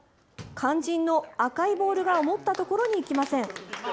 肝心の赤のボールが思ったところにいきません。